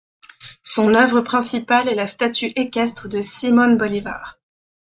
Son œuvre principale est la Statue équestre de Simón Bolívar.